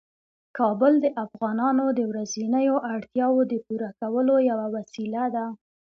کابل د افغانانو د ورځنیو اړتیاوو د پوره کولو یوه وسیله ده.